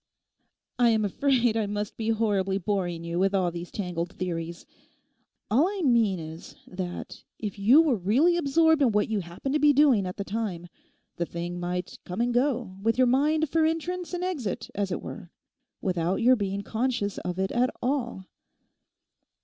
I am afraid I must be horribly boring you with all these tangled theories. All I mean is, that if you were really absorbed in what you happened to be doing at the time, the thing might come and go, with your mind for entrance and exit, as it were, without your being conscious of it at all.